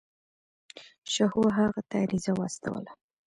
شاهو هغه ته عریضه واستوله.